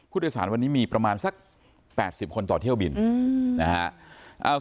ผู้โดยสารวันนี้มีประมาณสัก๘๐คนต่อเที่ยวบินนะครับ